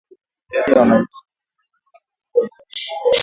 Idadi ya wanajeshi wa jamhuri ya kidemokrasia ya Kongo